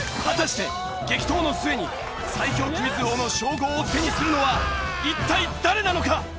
果たして激闘の末に最強クイズ王の称号を手にするのは一体誰なのか？